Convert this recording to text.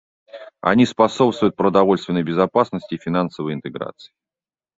Они способствуют продовольственной безопасности и финансовой интеграции.